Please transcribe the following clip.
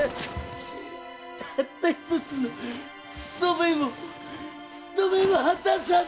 たった一つのつとめもつとめも果たさんと！